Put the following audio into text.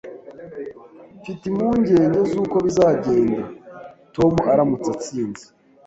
Mfite impungenge zuko bizagenda Tom aramutse atsinze